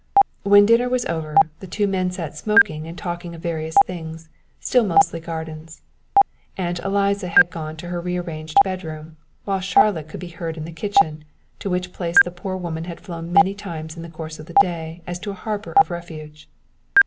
When dinner was over, the two men sat smoking and talking of various things, still mostly gardens. Aunt Eliza had gone to her re arranged bedroom, whilst Charlotte could be heard in the kitchen, to which place the poor woman had flown many times in the course of the day as to a harbour of refuge.